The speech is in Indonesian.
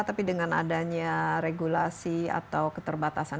tapi dengan adanya regulasi atau keterbatasan